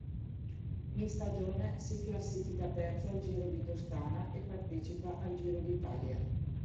In stagione si classifica terzo al Giro di Toscana e partecipa al Giro d'Italia.